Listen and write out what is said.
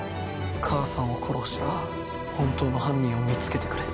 母さんを殺した本当の犯人を見つけてくれ。